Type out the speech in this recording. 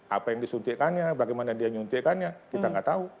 apa yang disuntikannya bagaimana dia menyuntikannya kita tidak tahu